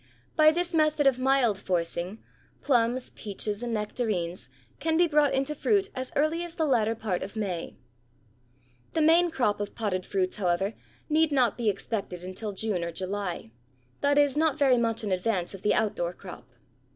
By this method of mild forcing, plums, peaches, and nectarines can be brought into fruit as early as the latter part of May. [Illustration: FIG. 42 A FIG TREE IN A POT] The main crop of potted fruits, however, need not be expected until June or July; that is not very much in advance of the outdoor crop.